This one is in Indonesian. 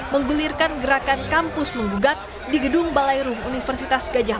menggulirkan gerakan kampus menggugat di gedung balai rum universitas gajah